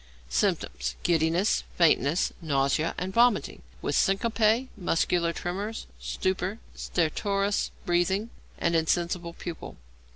Symptoms. Giddiness, fainting, nausea, and vomiting, with syncope, muscular tremors, stupor, stertorous breathing, and insensible pupil.